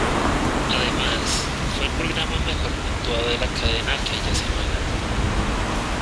Además, fue el programa mejor puntuado de la cadena aquella semana.